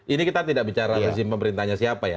ini kita tidak bicara rezim pemerintahnya siapa ya